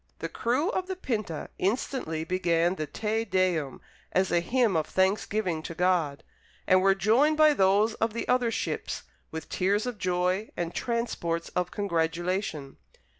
The crew of the Pinta instantly began the Te Deum, as a hymn of thanksgiving to God, and were joined by those of the other ships with tears of joy and transports of congratulation.